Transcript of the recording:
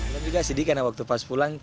saya sedih karena waktu pas pulang